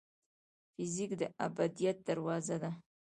فزیک د ابدیت دروازه ده.